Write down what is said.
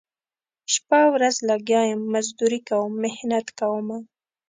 شپه ورځ لګیا یم مزدوري کوم محنت کومه